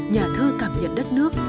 nhà thơ cảm nhận đất nước